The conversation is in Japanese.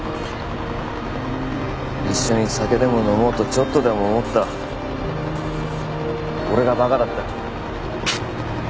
一緒に酒でも飲もうとちょっとでも思った俺がバカだった。